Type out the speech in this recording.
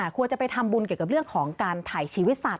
ควรจะไปทำบุญเกี่ยวกับเรื่องของการถ่ายชีวิตสัตว